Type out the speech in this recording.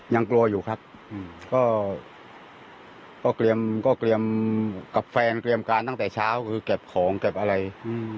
ยังกลัวอยู่ครับก็ก็เตรียมก็เตรียมกับแฟนเตรียมการตั้งแต่เช้าคือเก็บของเก็บอะไรอืม